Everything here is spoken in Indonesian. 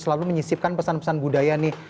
selalu menyisipkan pesan pesan budaya nih